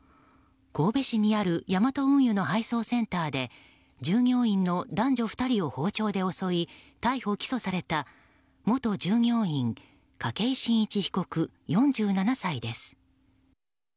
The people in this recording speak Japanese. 神戸市にあるヤマト運輸の配送センターで従業員の男女２人を包丁で襲い逮捕・起訴された元従業員筧真一被告、４７歳です。